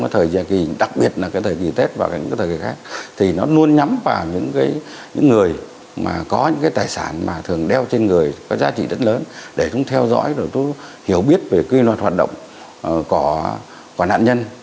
thời kỳ đặc biệt là cái thời kỳ tết và những thời kỳ khác thì nó luôn nhắm vào những người mà có những cái tài sản mà thường đeo trên người có giá trị rất lớn để chúng theo dõi rồi chúng tôi hiểu biết về cái loại hoạt động của nạn nhân